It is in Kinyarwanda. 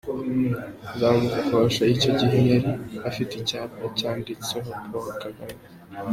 Nzamukosha icyo gihe yari afite icyapa cyanditseho Paul Kagame.